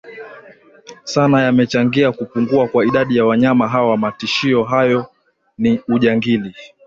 sana yamechangia kupungua kwa idadi ya wanyama hawa Matishio hayo ni ujangili